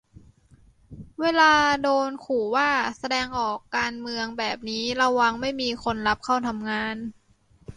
เวลาโดนขู่ว่า แสดงออกการเมืองแบบนี้ระวังไม่มีคนรับเข้าทำงาน